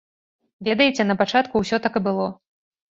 Ведаеце, на пачатку ўсё так і было.